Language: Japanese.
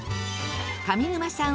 上沼さん